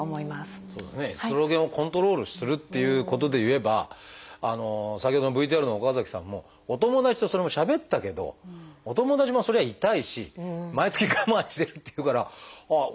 エストロゲンをコントロールするっていうことで言えば先ほどのＶＴＲの岡崎さんもお友達とそれもしゃべったけどお友達もそりゃ痛いし毎月我慢してるっていうからああ